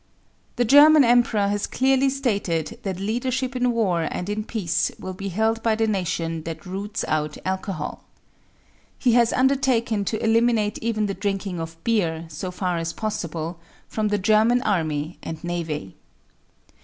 The German Emperor has clearly stated that leadership in war and in peace will be held by the nation that roots out alcohol. He has undertaken to eliminate even the drinking of beer, so far as possible, from the German Army and Navy.